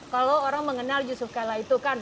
kalau orang mengenal yusuf kala itu kan